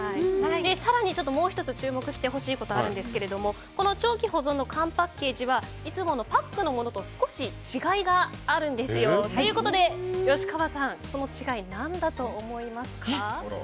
更にもう１つ注目してほしいことが長期保存の缶パッケージはいつものパックのものと少し違いがあるんですよ。ということで、吉川さんその違いは何だと思いますか？